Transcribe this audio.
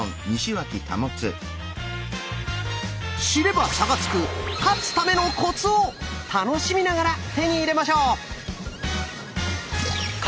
知れば差がつく「勝つためのコツ」を楽しみながら手に入れましょう！